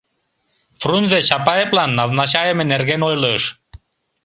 Фрунзе Чапаевлан назначайыме нерген ойлыш.